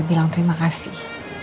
bilang terima kasih